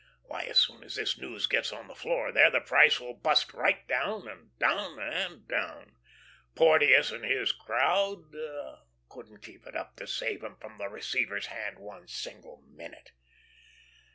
Why, as soon as this news gets on the floor there, the price will bust right down, and down, and down. Porteous and his crowd couldn't keep it up to save 'em from the receiver's hand one single minute."